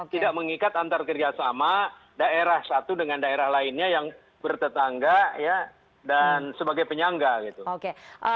tidak mengikat antar kerjasama daerah satu dengan daerah lainnya yang bertetangga dan sebagai penyangga gitu